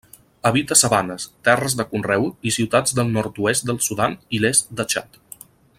Habita sabanes, terres de conreu i ciutats del nord-oest del Sudan i l'est de Txad.